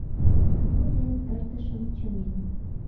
Вуй ден тыртышым чымен